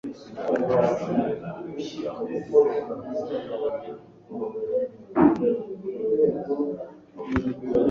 Umubari yasohotse avuye inyuma ya kaburimbo kugirango ahagarike imirwano.